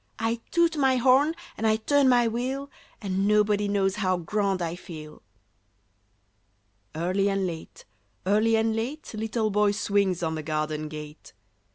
I toot my horn and I turn my wheel, And nobody knows how grand I feel!" Early and late, early and late, Little Boy swings on the garden gate.